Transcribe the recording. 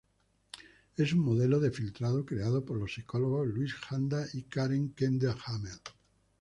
Es un modelo de filtrado creado por los psicólogos Louis Janda y Karen Klende-Hamel.